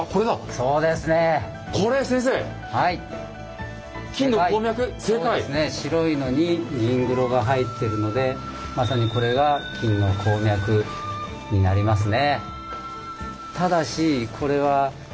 そうですね白いのに銀黒が入ってるのでまさにこれが金の鉱脈になりますね。